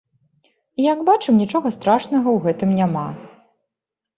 І, як бачым, нічога страшнага ў гэтым няма.